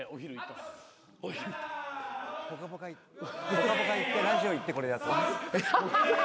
『ぽかぽか』行ってラジオ行ってこれ。